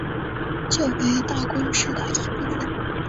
旧为大宫市的一部分。